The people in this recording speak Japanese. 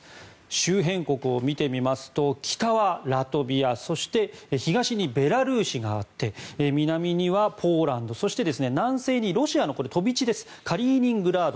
周辺国を見てみますと北はラトビア東にベラルーシがあって南にはポーランドそして南西にロシアの飛び地ですカリーニングラード。